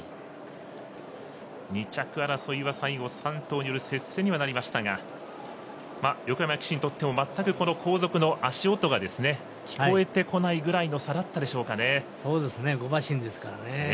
２着争いは、最後、３頭による接戦にはなりましたが横山騎手にとってもこの後続の足音が聞こえてこないぐらいの５馬身ですからね。